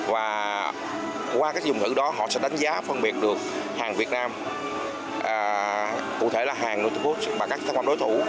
và qua các dùng thử đó họ sẽ đánh giá phân biệt được hàng việt nam cụ thể là hàng nội thủ quốc và các tham quan đối thủ